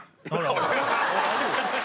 おい